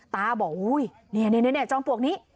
ตาบอกอุ๊ยนี่จอมปลวกนี้